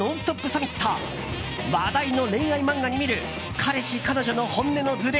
サミット話題の恋愛漫画に見る彼氏彼女の本音のずれ